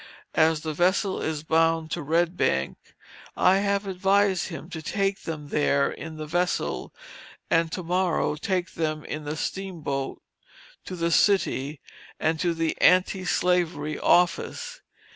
As the vessel is bound to Red Bank, I have advised him to take them there in the vessel, and to morrow take them in the steamboat to the city, and to the Anti slavery office.